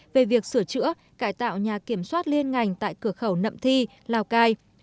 về việc sửa chữa cải tạo nhà kiểm soát liên ngành tại cửa khẩu nậm thi lào cai